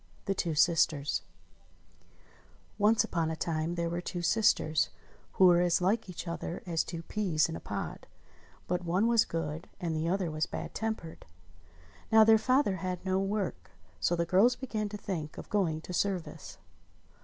THE TWO SISTERS ONCE upon a time there were two sisters who were as Hke each other as two peas in a pod ; but one was good, and the other was bad tempered. Now their father had no work, so the girls began to think of going to service.